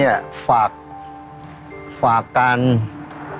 ในทะเลวิทยังเป็นการพี่ประชาและคุณก็ก้มไปช่างไม่ได้เลย